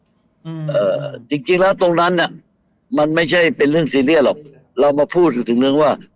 อืมเอ่อจริงจริงแล้วตรงนั้นน่ะมันไม่ใช่เป็นเรื่องซีเรียสหรอกเรามาพูดถึงเรื่องว่า